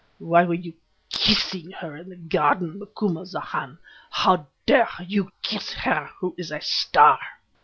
Why were you kissing her in the garden, Macumazahn? How dare you kiss her who is a star?"